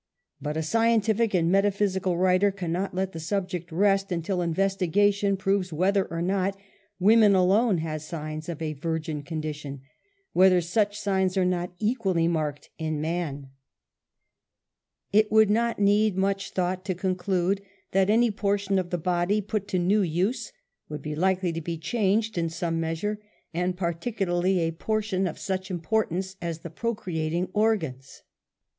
But a scientific and metaphysical writer cannot let the sub ject rest until investigation proves whether or not woman alone has signs of a virgin condition, whether Xsuch signs are not equally marked in man. It would not need much thought to conclude that any portion of the body put to new use would be likely to be changed in some measure, and particularly a portion of such importance as the procreating organs.